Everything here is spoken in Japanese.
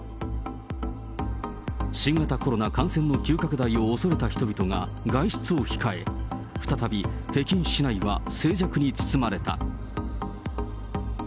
新型コロナ感染の急拡大を恐れた人々が、外出を控え、再び北京市内は静寂に包まれた。